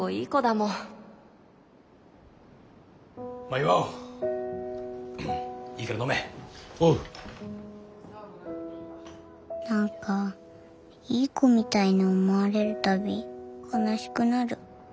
心の声何かいい子みたいに思われる度悲しくなる。